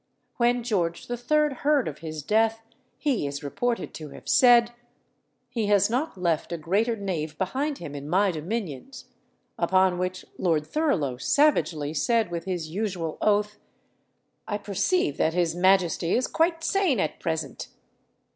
When George III. heard of his death, he is reported to have said, "He has not left a greater knave behind him in my dominions;" upon which Lord Thurlow savagely said, with his usual oath, "I perceive that his majesty is quite sane at present."